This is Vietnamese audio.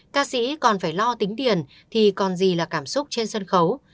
ca sĩ còn phải lo tính tiền thì còn gì là cảm xúc trên sân khấu